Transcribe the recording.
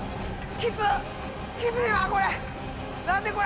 きついわこれ！